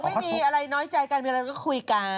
เขาบอกไม่มีอะไรน้อยใจกันมีอะไรเราก็คุยกัน